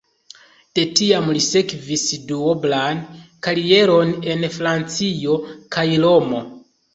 De tiam li sekvis duoblan karieron en Francio kaj Romo.